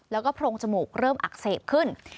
แล้วก็โพรงจมูกเริ่มอักเสบขึ้น